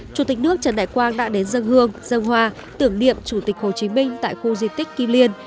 chủ tịch nước trần đại quang đã đến dân hương dân hoa tưởng niệm chủ tịch hồ chí minh tại khu di tích kim liên